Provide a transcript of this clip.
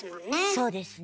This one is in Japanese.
そうですね。